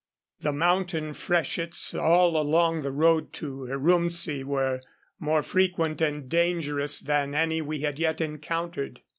The mountain freshets all along the road to Urumtsi were more frequent and dangerous than any we had yet encountered.